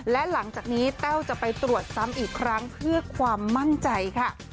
และหลังจากนี้แต้วจะไปตรวจซ้ำอีกครั้งเพื่อความมั่นใจค่ะ